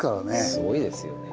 すごいですよね。